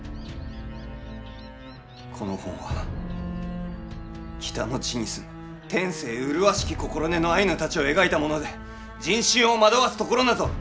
この本は北の地に住む天性麗しき心根のアイヌたちを描いたもので人心を惑わす所なぞ一